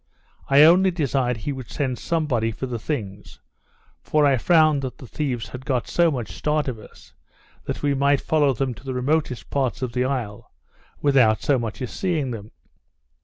I only desired he would send somebody for the things; for I found that the thieves had got so much start of us, that we might follow them to the remotest parts of the isle, without so much as seeing them.